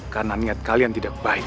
karena niat kalian tidak baik